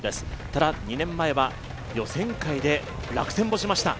ただ、２年前は予選会で落選もしました。